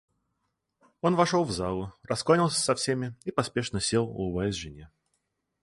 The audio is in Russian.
Он вошел в залу, раскланялся со всеми и поспешно сел, улыбаясь жене.